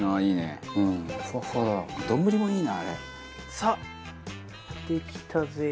さあできたぜ！